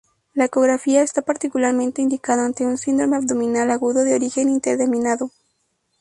La ecografía está particularmente indicada ante un síndrome abdominal agudo de origen indeterminado.